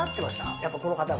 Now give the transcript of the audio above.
やっぱこの方が。